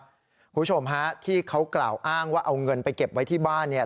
คุณผู้ชมฮะที่เขากล่าวอ้างว่าเอาเงินไปเก็บไว้ที่บ้านเนี่ย